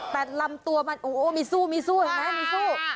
แปดลำตัวมันโอ้โหมีสู้อย่างมั้ยสู้